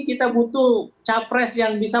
kita butuh capres yang bisa